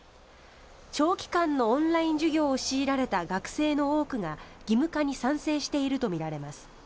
長期間のオンライン授業を強いられた学生の多くが義務化に賛成しているとみられます。